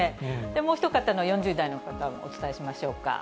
もう一方の４０代の方もお伝えしましょうか。